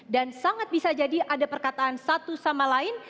dan sangat bisa jadi ada perkataan satu sama lain